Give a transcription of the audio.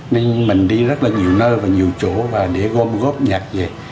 nên mình đi rất là nhiều nơi và nhiều chỗ để gom góp nhạc về